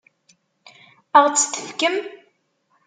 Ad ɣ-tt-tefkem?